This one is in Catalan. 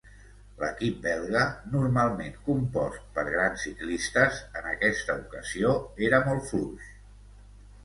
L'equip belga, normalment compost per grans ciclistes, en aquesta ocasió era molt fluix.